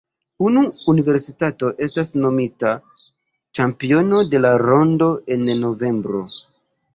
Unu universitato estas nomita ĉampiono de la rondo en novembro.